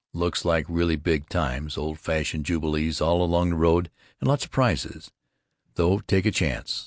Looks like really big times, old fashioned jubilee all along the road and lots of prizes, though take a chance.